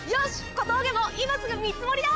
小峠も今すぐ見積りだ！